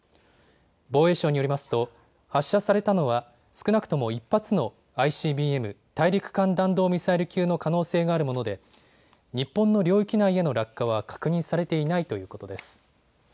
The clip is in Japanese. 防衛省によりますと発射されたのは少なくとも１発のＩＣＢＭ・大陸間弾道ミサイル級の可能性があるもので日本の領域内への落下は確認されていないということです。